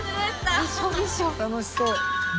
楽しそう。